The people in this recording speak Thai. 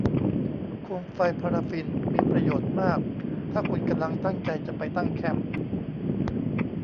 โคมไฟพาราฟินมีประโยชน์มากถ้าคุณกำลังตั้งใจจะไปตั้งแคมป์